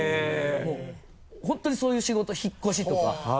もう本当にそういう仕事引っ越しとか。